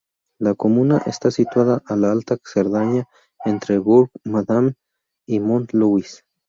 La comuna está situada la Alta Cerdaña, entre Bourg-Madame y Mont-Louis.